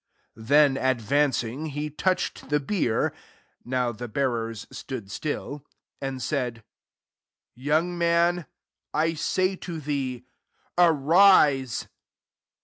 14 1 advancing, he touched the tAA (now the bearers stood stili' and said, " Young man, I stff \ thee, Arise.